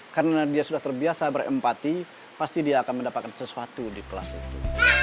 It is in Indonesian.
karena dia sudah terbiasa berempati pasti dia akan mendapatkan sesuatu di kelas itu